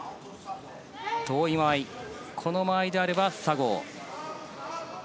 遠い間合い、この間合いであれば佐合。